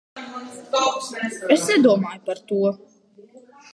I didn't think that of you.